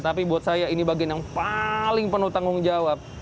tapi buat saya ini bagian yang paling penuh tanggung jawab